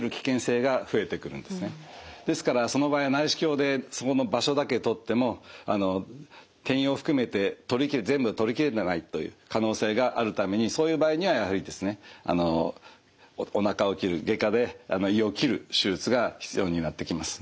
ですからその場合は内視鏡でそこの場所だけ取っても転移を含めて全部取り切れてないという可能性があるためにそういう場合にはやはりですねおなかを切る外科で胃を切る手術が必要になってきます。